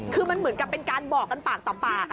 คือมันเหมือนกับเป็นการบอกกันปากต่อปาก